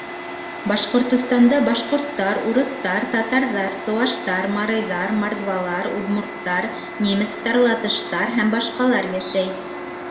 Башҡортостанда башҡорттар, урыҫтар, татарҙар, сыуаштар, марийҙар, мордвалар, удмурттар немецтар, латыштар һ.б. йәшәй